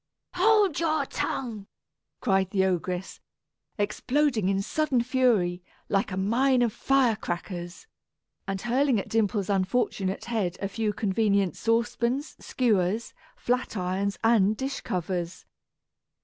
"Hold your tongue!" cried the ogress, exploding in sudden fury, like a mine of fire crackers, and hurling at Dimple's unfortunate head a few convenient saucepans, skewers, flat irons, and dish covers.